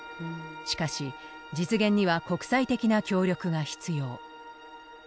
しかし実現には国際的な協力が必要。